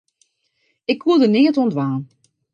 Ik koe der neat oan dwaan.